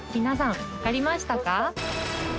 皆さん分かりましたか？